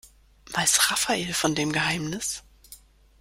Weiß Rafael von dem Geheimnis?